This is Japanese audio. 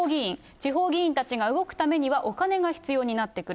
地方議員たちが動くためにはお金が必要になってくる。